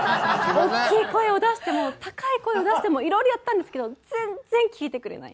大きい声を出しても高い声を出してもいろいろやったんですけど全然聞いてくれない。